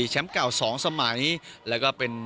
แชมป์เก่า๒สมัยและก็เป็น